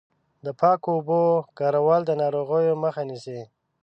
د پاکو اوبو کارول د ناروغیو مخه نیسي.